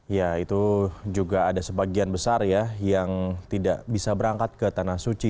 ya itu juga ada sebagian besar ya yang tidak bisa berangkat ke tanah suci